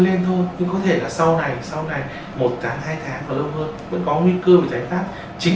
lên thôi nhưng có thể là sau này sau này một tháng hai tháng và lâu hơn vẫn có nguy cơ bị giải pháp chính